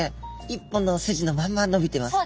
一本の筋のまんまのびてます。